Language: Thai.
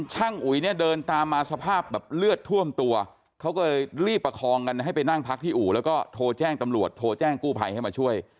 อุ๋ยเนี่ยเดินตามมาสภาพแบบเลือดท่วมตัวเขาก็เลยรีบประคองกันให้ไปนั่งพักที่อู่แล้วก็โทรแจ้งตำรวจโทรแจ้งกู้ภัยให้มาช่วย